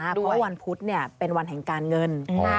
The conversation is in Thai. เพราะว่าวันพุธเป็นวันแห่งการเงิน